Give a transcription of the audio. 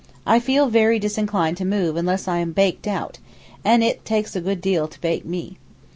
I feel very disinclined to move unless I am baked out, and it takes a good deal to bake me.